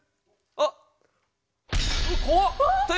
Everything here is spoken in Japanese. あっ！